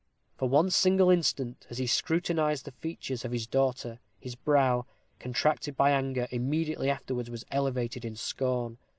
For one single instant, as he scrutinized the features of his daughter, his brow, contracted by anger, immediately afterwards was elevated in scorn.